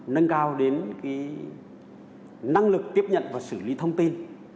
nâng cao đến năng lực tiếp nhận và xử lý thông tin